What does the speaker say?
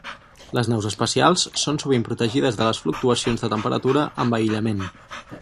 Les naus espacials són sovint protegides de les fluctuacions de temperatura amb aïllament.